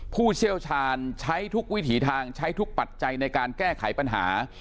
ผู้เชี่ยวชาญใช้ทุกวิถีทางใช้ทุกปัจจัยในการแก้ไขปัญหา